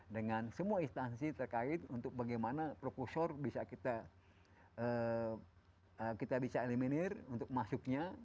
dengan semua instansi terkait untuk bagaimana prokusur bisa kita bisa eliminir untuk masuknya